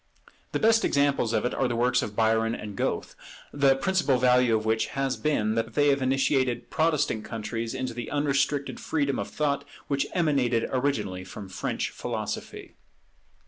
The best examples of it are the works of Byron and Goethe, the principle value of which has been, that they have initiated Protestant countries into the unrestricted freedom of thought which emanated originally from French philosophy.